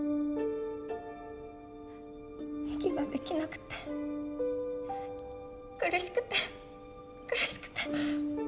息ができなくて苦しくて苦しくて。